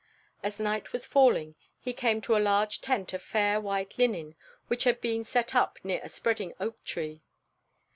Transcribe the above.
As night was falling he came to a large tent of fair white linen which had been set up near a spreading oak tree.